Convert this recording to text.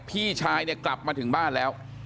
พี่ชายเนี่ยกลับมาถึงบ้านแล้ว